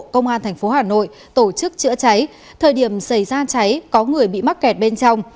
công an thành phố hà nội tổ chức chữa cháy thời điểm xảy ra cháy có người bị mắc kẹt bên trong